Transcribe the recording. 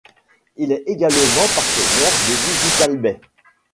Il est également partenaire de Digital Bay.